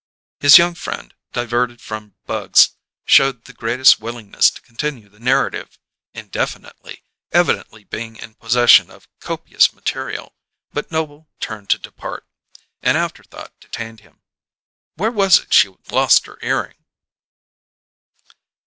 His young friend, diverted from bugs, showed the greatest willingness to continue the narrative indefinitely, evidently being in possession of copious material; but Noble turned to depart. An afterthought detained him. "Where was it she lost her earring?"